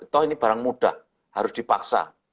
toh ini barang mudah harus dipaksa